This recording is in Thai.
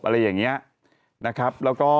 อะไรอย่างเงี้ยนะครับแล้วก็